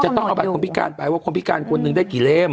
ต้องเอาบัตรคนพิการไปว่าคนพิการคนหนึ่งได้กี่เล่ม